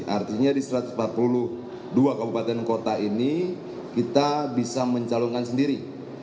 artinya di satu ratus empat puluh dua kabupaten kota ini kita bisa mencalonkan sendiri